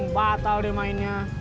batal deh mainnya